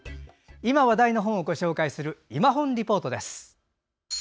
今話題の本をご紹介する「いまほんリポート」です。